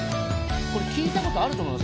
聴いたことあると思います。